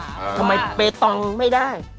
ทำไมเปตองไม่ได้